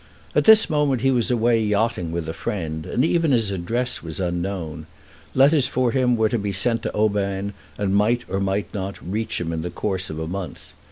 At this moment he was away yachting with a friend, and even his address was unknown. Letters for him were to be sent to Oban, and might, or might not, reach him in the course of a month.